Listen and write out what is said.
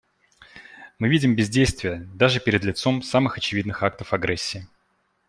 Мы видим бездействие даже перед лицом самых очевидных актов агрессии.